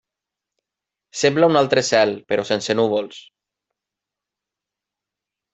Sembla un altre cel, però sense núvols.